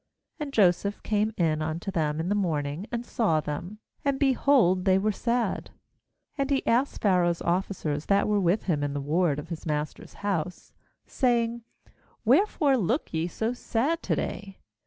6And Joseph came in unto them in the morning, and saw them, and, behold, they were sad. 7And he asked Pharaoh's officers that were with him in the ward of his master's house, saying: ' Wherefore look ye so sad to day?'